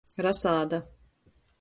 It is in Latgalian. Rasāda.